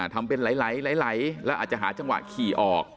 ทำเป็นไหลแล้วอาจจะหาจังหวะขี่ออก